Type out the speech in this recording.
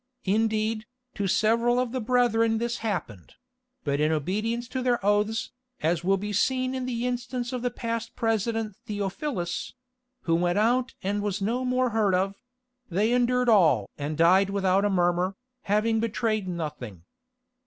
Indeed, to several of the brethren this happened; but in obedience to their oaths, as will be seen in the instance of the past President Theophilus—who went out and was no more heard of—they endured all and died without a murmur, having betrayed nothing.